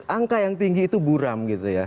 angka yang tinggi itu buram